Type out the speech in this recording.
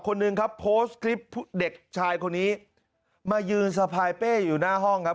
คนหนึ่งครับโพสต์คลิปเด็กชายคนนี้มายืนสะพายเป้อยู่หน้าห้องครับ